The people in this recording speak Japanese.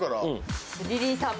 リリーさんも。